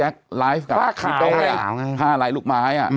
ขายหลายหลายลูกไม้